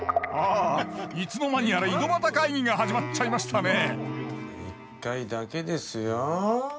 あいつの間にやら井戸端会議が始まっちゃいましたね一回だけですよ。